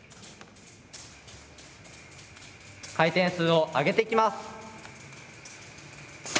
回転数を上げていきます。